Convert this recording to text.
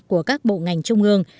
của các bộ ngành trung ương